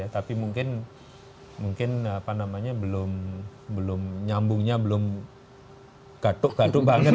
tapi mungkin nyambungnya belum gatu gatu banget